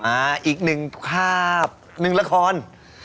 อ่าอีกหนึ่งคาบหนึ่งละคร